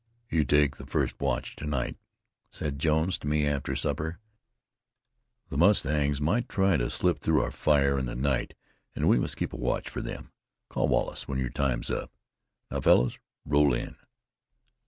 "You take the first watch to night," said Jones to me after supper. "The mustangs might try to slip by our fire in the night and we must keep a watch or them. Call Wallace when your time's up. Now, fellows, roll in."